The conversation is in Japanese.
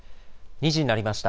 ２時になりました。